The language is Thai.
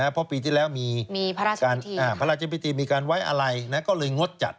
เพราะปีที่แล้วมีพระราชพิธีมีการไว้อะไรก็เลยงดจัด